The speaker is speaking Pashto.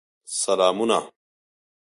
سلامونه !